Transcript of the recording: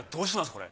これ。